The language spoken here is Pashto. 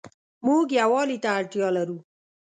موږ يووالي ته اړتيا لرو